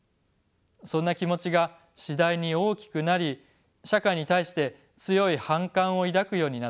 そんな気持ちが次第に大きくなり社会に対して強い反感を抱くようになっていきました。